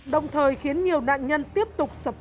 đồng thời khiến nhiều nạn nhân tiếp tục sập bẫy